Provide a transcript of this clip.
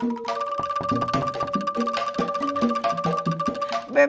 tidak ada yang peduli